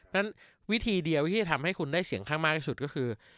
ฉะวิธีเดียวที่จะทำให้คุณได้เสียงข้างมากที่สุดก็คือ